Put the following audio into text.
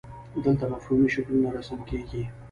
دلته مفهومي شکلونه رسم کیږي.